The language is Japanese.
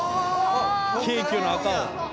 京急の赤を。